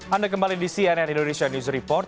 anda kembali di cnn indonesia news report